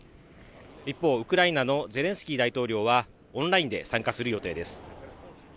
一方ウクライナのゼレンスキー大統領はオンラインで参加する予定です